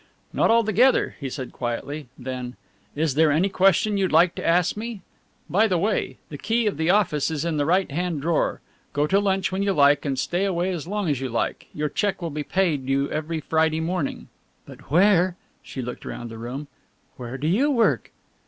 "Not altogether," he said quietly; then: "Is there any question you'd like to ask me? By the way, the key of the office is in the right hand drawer; go to lunch when you like and stay away as long as you like. Your cheque will be paid you every Friday morning." "But where ?" She looked round the room. "Where do you work?"